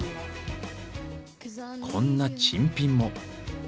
こんな珍品も。